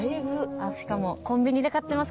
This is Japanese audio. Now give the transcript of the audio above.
あっしかもコンビニで買ってます